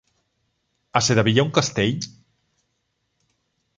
A Sedaví hi ha un castell?